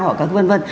họ các vân vân